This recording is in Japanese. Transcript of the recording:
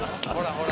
ほら